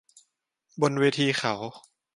บนเวทีเขา